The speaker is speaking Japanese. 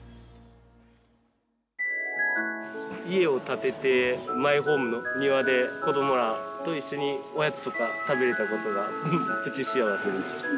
家を建てて、マイホームの庭で子どもらと一緒におやつとか食べれたことが、プチ幸せです。